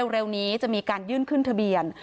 เร็วนี้จะมีการยื่นขึ้นทะเบียน